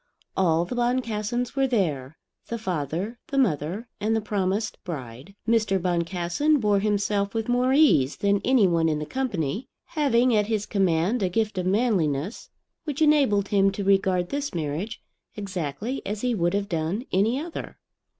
All the Boncassens were there, the father, the mother, and the promised bride. Mr. Boncassen bore himself with more ease than any one in the company, having at his command a gift of manliness which enabled him to regard this marriage exactly as he would have done any other.